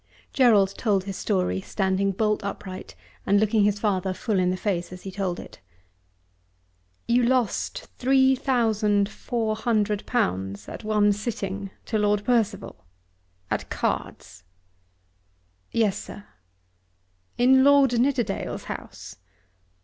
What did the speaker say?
Gerald told his story, standing bolt upright, and looking his father full in the face as he told it. "You lost three thousand four hundred pounds at one sitting to Lord Percival at cards!" "Yes, sir." "In Lord Nidderdale's house?"